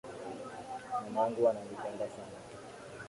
Mamangu ananipenda sana.